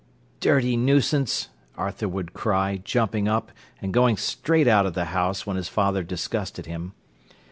"Dirty nuisance!" Arthur would cry, jumping up and going straight out of the house when his father disgusted him.